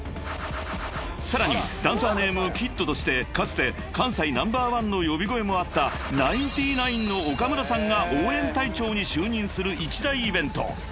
［さらにダンサーネームキッドとしてかつて関西ナンバーワンの呼び声もあったナインティナインの岡村さんが応援隊長に就任する一大イベント］